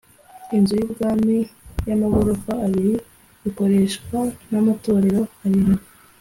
inzu y’ubwami y’amagorofa abiri ikoreshwa n’ amatorero arindwi